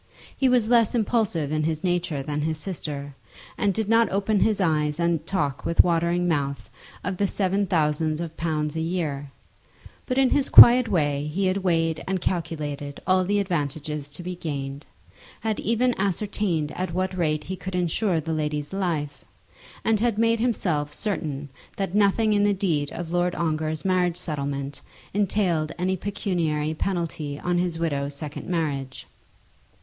He was less impulsive in his nature than his sister, and did not open his eyes and talk with watering mouth of the seven thousands of pounds a year; but in his quiet way he had weighed and calculated all the advantages to be gained, had even ascertained at what rate he could insure the lady's life, and had made himself certain that nothing in the deed of Lord Ongar's marriage settlement entailed any pecuniary penalty on his widow's second marriage.